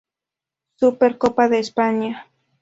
Super copa de España